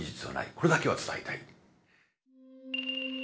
これだけは伝えたい。